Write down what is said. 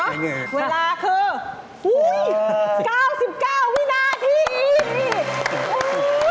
เวลาคือ๙๙วินาที